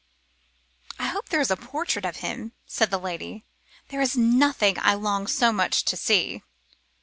'I hope there is a portrait of him,' said the lady; 'there is nothing I long so much to see.